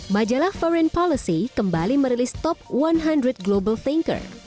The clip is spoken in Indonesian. majalah foreign policy kembali merilis top seratus global thinker